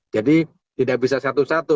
tidak bisa satu satu